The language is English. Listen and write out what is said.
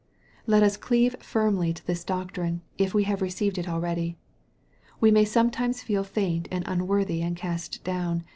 Let us cleave firmly to this doctrine, if we have re ciived it already. We may sometimes feel faint, and unworthy, and cast down.